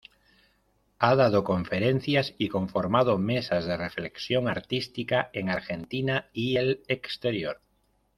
Ha dado conferencias y conformado mesas de reflexión artística en Argentina y el exterior.